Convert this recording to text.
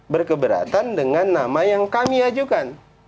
berkeberatan dengan nama yang kami ajukan